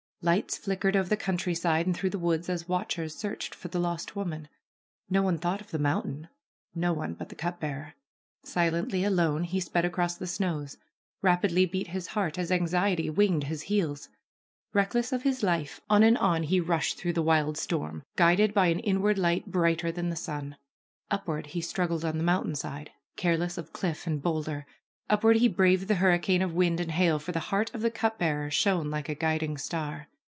Lights flickered over the country side and through the woods as watchers searched for the lost woman. No one thought of the mountain, no one but the cup bearer. Silently, alone, he sped across the snows. Rapidly beat his heart as anxiety winged his heels. Reckless of his life, on and on he rushed through the wild storm, guided by an inward light brighter than the sun. Upward he struggled on the mountainside, careless of cliff and boulder ; upward he braved the hur ricane of wind and hail, for the heart of the cup bearer shone like a guiding star.